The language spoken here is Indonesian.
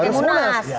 harus pakai munas